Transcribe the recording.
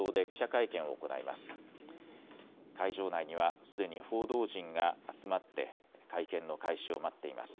会場内には、すでに報道陣が集まって、会見の開始を待っています。